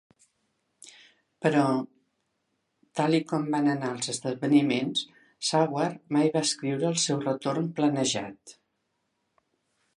Però tal i com van anar els esdeveniments, Saward mai va escriure el seu retorn planejat.